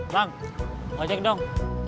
bang ojek dong